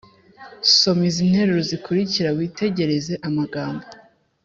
Soma izi nteruro zikurikira witegereze amagambo